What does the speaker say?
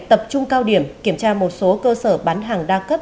tập trung cao điểm kiểm tra một số cơ sở bán hàng đa cấp